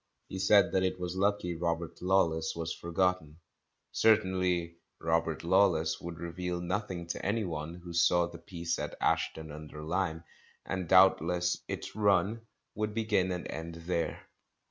He said that it was lucky "Robert Lawless" was forgotten; certainly "Robert Lawless" would reveal nothing to any one who saw the piece at Ashton under Lyne, and doubtless its "run" would begin and end there.